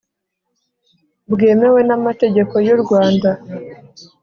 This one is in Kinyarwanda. bwemewe n amategeko y u Rwanda